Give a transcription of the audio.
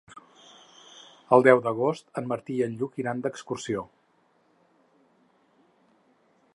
El deu d'agost en Martí i en Lluc iran d'excursió.